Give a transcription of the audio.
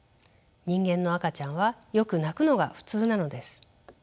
人間の赤ちゃんはよく泣くのが普通なのです。